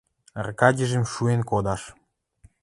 Аркадижӹм шуэн кодаш